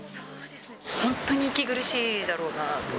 本当に息苦しいだろうなと。